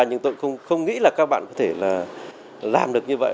nhưng tôi cũng không nghĩ là các bạn có thể là làm được như vậy